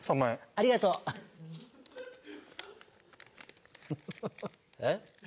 ありがとう。えっ？